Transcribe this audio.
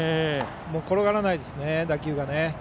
転がらないです、打球が。